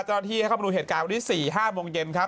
ท่อนพี่ให้เข้ามาดูเกิดการในเกมอุ่นนี้๕โมงเย็นครับ